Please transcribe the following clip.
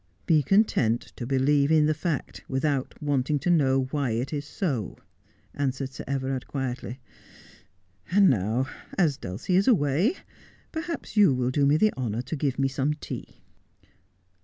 ' Be content to believe in the fact, without wanting to know why it is so,' answered Sir Everard quietly. ' And now, as Dulcie is away, perhaps you will do me the honour to give me some tea.'